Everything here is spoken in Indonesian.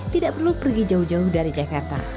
tidak perlu pergi jauh jauh dari jakarta